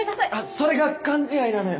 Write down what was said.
それが勘違いなのよ。